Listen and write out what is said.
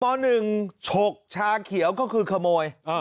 ม๑ฉกชาเขียวก็คือขโมย